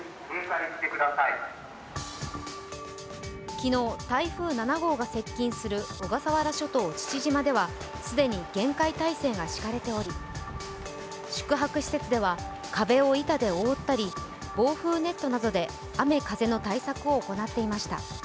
昨日、台風７号が接近する小笠原諸島・父島では既に厳戒態勢が敷かれており、宿泊施設では壁を板で覆ったり、防風ネットなどで雨・風の対策を行っていました。